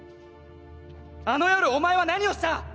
あの夜お前は何をした！